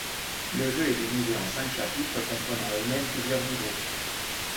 Le jeu est divisé en cinq chapitres, comprenant eux-mêmes plusieurs niveaux.